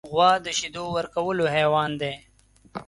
غوا د شیدو ورکولو حیوان دی.